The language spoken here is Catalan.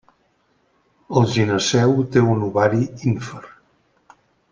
El gineceu té un ovari ínfer.